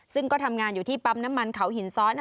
ซึ่งก็ทำงานอยู่ที่ปั๊มน้ำมันเขาหินซ้อน